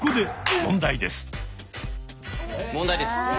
問題です。